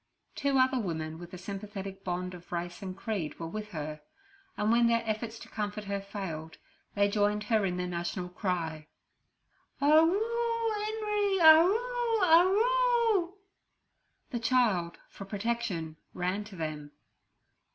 Two other old women, with the sympathetic bond of race and creed, were with her, and when their efforts to comfort her failed, they joined her in their national cry: 'Arroo'Enery! arroo, arroo!' The child, for protection, ran to them.